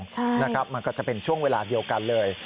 ใช่นะครับมันก็จะเป็นช่วงเวลาเดียวกันเลย